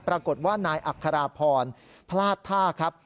ปรากฏว่านายอัคราพรพลาดท่าครับ